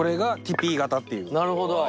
なるほど。